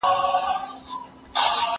که وخت وي، کښېناستل کوم!!